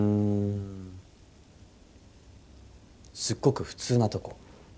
すっごく普通なとこ。